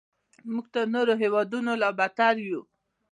موږ تر نورو هیوادونو لا بدتر یو.